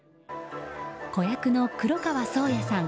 子役の黒川想矢さん